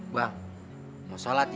bang mau sholat ya